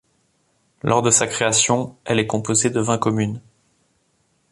Lors de sa création, elle est composée de vingt communes.